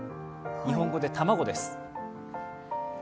日本語で卵です。